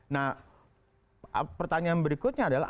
nah pertanyaan berikutnya adalah